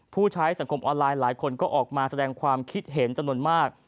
ผู้ใช้สังคมออนไลน์หลายคนก็ออกมาแสดงความคิดเห็นจำนวนมาก